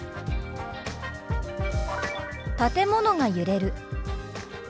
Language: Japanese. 「建物が揺れる」。